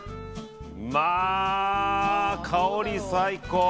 まあ、香り最高。